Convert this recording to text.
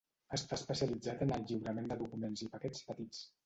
Està especialitzat en el lliurament de documents i paquets petits.